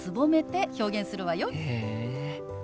へえ。